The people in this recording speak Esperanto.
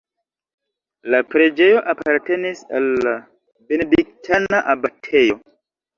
La preĝejo apartenis al la benediktana abatejo.